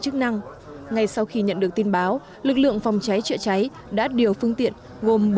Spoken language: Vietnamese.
chức năng ngay sau khi nhận được tin báo lực lượng phòng cháy chữa cháy đã điều phương tiện gồm